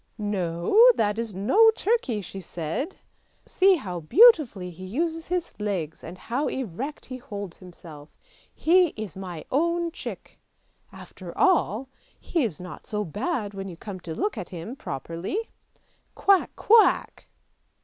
" No, that is no turkey," she said; " see how beautifully he uses his legs and how erect he holds himself: he is my own chick ! after all, he is not so bad when you come to look at him properly. Quack, quack!